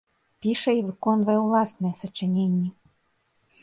Піша і выконвае ўласныя сачыненні.